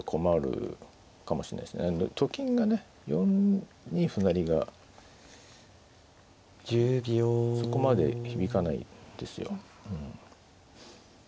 と金がね４二歩成がそこまで響かないですよ。